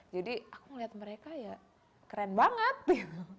jadi aku melihat mereka ya keren banget gitu